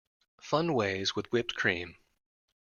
Fun ways with whipped cream.